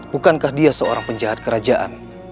bukankah dia seorang penjahat kerajaan